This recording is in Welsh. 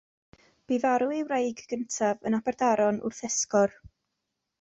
Bu farw ei wraig gyntaf yn Aberdaron wrth esgor.